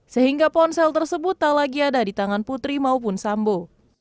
sehingga ponsel tersebut tak lagi ada di tangan putri maupun sambo